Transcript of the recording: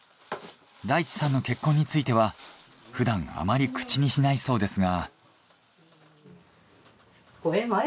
大地さんの結婚についてはふだんあまり口にしないそうですが。